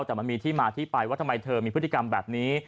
แต่มันมีที่มาที่ไปว่าทำไมเธอมีพฤติกรรมแบบนี้